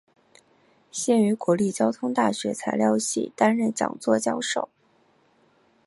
现于国立交通大学材料系担任讲座教授。